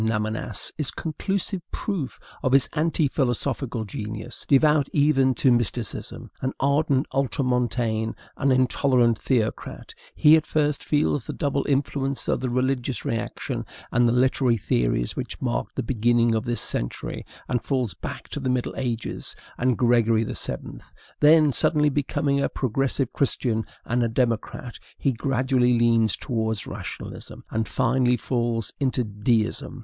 Lamennais is conclusive proof of his anti philosophical genius. Devout even to mysticism, an ardent ultramontane, an intolerant theocrat, he at first feels the double influence of the religious reaction and the literary theories which marked the beginning of this century, and falls back to the middle ages and Gregory VII.; then, suddenly becoming a progressive Christian and a democrat, he gradually leans towards rationalism, and finally falls into deism.